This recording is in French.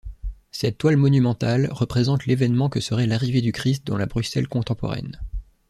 Cette toile monumentale représente l'événement que serait l'arrivée du Christ dans la Bruxelles contemporaine.